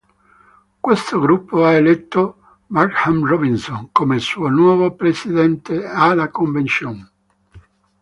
Questo gruppo ha eletto Markham Robinson come suo nuovo presidente alla convention.